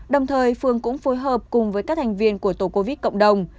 đồng thời phường cũng phối hợp cùng với các thành viên của tổ covid cộng đồng